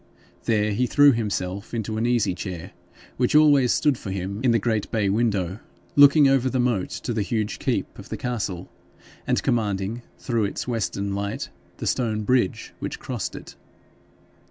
There he threw himself into an easy chair which always stood for him in the great bay window, looking over the moat to the huge keep of the castle, and commanding through its western light the stone bridge which crossed it.